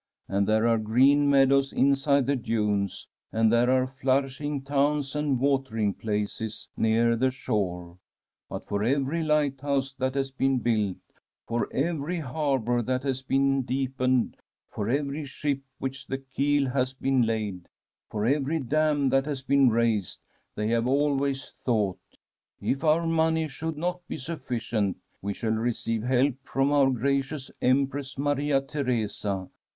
And there are CTeen meadows inside the dunes, and there are nourishing towns and watering places near the shore. But for every lighthouse that has been built, for every harbour that has been deepened, for every ship of which the keel has been laid, for every dam that has been raised, they have always thought :' If our own money should not be suf ficient, we shall receive help from our Gracious Empress Maria Theresa.'